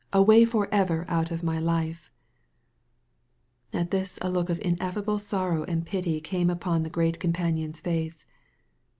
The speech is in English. Away for ever out of my life !" At this a look of ineffable sorrow and pity came upon the great companion's face.